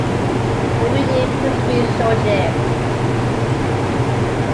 The reunion proved to be short-lived.